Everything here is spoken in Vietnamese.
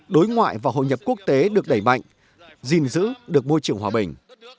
đối ngoại và hội nhập quốc tế được đẩy mạnh gìn giữ được môi trường hòa bình